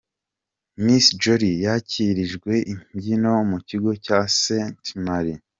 Miss Jolly yakirijwe imbyino mu kigo cya Sainte Marie.